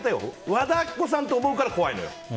和田アキ子さんと思うから怖いのよ。